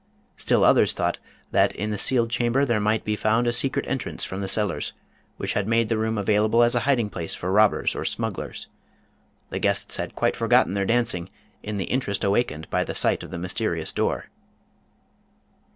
Still others thought that in the sealed chamber there might be found a secret entrance from the cellars, which had made the room available as a hiding place for robbers or smugglers. The guests had quite forgotten their dancing in the interest awakened by the sight of the mysterious door.